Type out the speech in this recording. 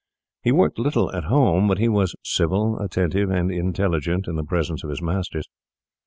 He worked little at home; but he was civil, attentive, and intelligent in the presence of his masters.